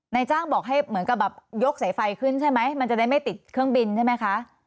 นายจ้างบอกให้เหมือนกับแบบยกสายไฟขึ้นใช่ไหมมันจะได้ไม่ติดเครื่องบินใช่ไหมคะ